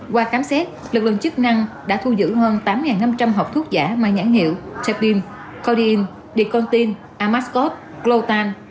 qua khám xét lực lượng chức năng đã thu giữ hơn tám năm trăm linh hộp thuốc giả mang nhãn hiệu tepin codin dicontin amascot glotan